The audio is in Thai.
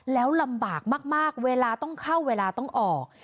แล้วลำบากมากเวลาต้องเข้าเวลาต้องออก